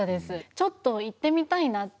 ちょっと行ってみたいなって。